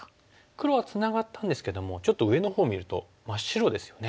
黒はつながったんですけどもちょっと上のほう見ると真っ白ですよね。